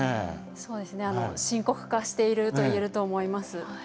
そうですね深刻化しているといえると思います。